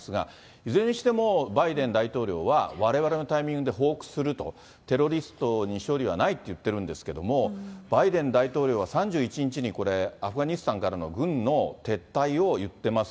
いずれにしてもバイデン大統領は、われわれのタイミングで報復すると、テロリストに勝利はないって言ってるんですけれども、バイデン大統領は３１日にこれ、アフガニスタンからの軍の撤退を言ってます。